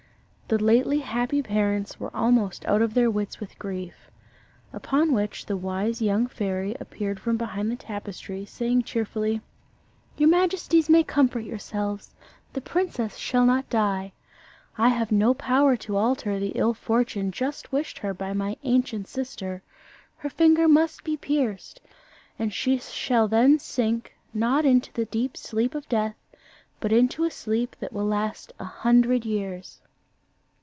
The lately happy parents were almost out of their wits with grief. Upon which the wise young fairy appeared from behind the tapestry, saying cheerfully "Your majesties may comfort yourselves; the princess shall not die. I have no power to alter the ill fortune just wished her by my ancient sister her finger must be pierced; and she shall then sink, not into the sleep of death, but into a sleep that will last a hundred years.